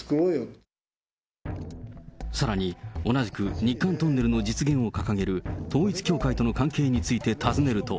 さらに、同じく日韓トンネルの実現を掲げる統一教会との関係について尋ねると。